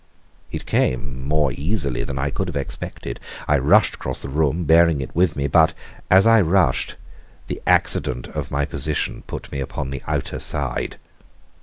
It came more easily than I could have expected. I rushed across the room, bearing it with me; but, as I rushed, the accident of my position put me upon the outer side.